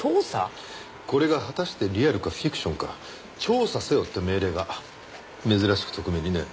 これが果たしてリアルかフィクションか調査せよって命令が珍しく特命にね。